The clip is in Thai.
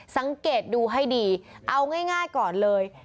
สังเกตดูให้ดีเอาง่ายก่อนเลย